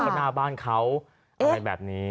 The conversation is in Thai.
หน้าบ้านเขาทำให้แบบนี้